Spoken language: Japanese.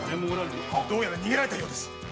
どうやら逃げられたようです！